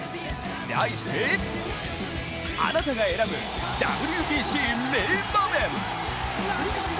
題して「あなたが選ぶＷＢＣ名場面」。